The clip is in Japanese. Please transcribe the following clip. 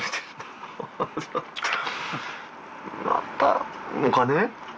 またお金？